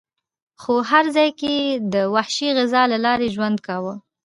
خو هر ځای کې یې د وحشي غذا له لارې ژوند کاوه.